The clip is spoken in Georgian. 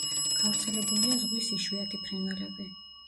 გავრცელებულია ზღვის იშვიათი ფრინველები.